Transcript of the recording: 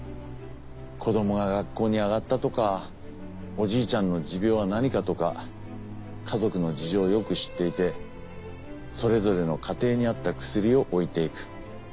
子どもが学校に上がったとかおじいちゃんの持病は何かとか家族の事情をよく知っていてそれぞれの家庭に合った薬を置いていく。